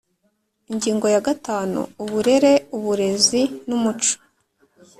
Ingingo ya gatanu Uburere uburezi n umuco